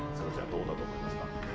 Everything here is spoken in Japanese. どうだと思いますか？